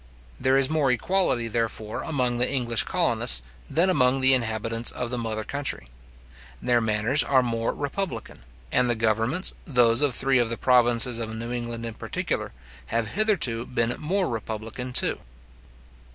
There is more equality, therefore, among the English colonists than among the inhabitants of the mother country. Their manners are more re publican; and their governments, those of three of the provinces of New England in particular, have hitherto been more republican too.